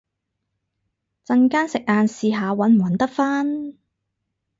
陣間食晏試下搵唔搵得返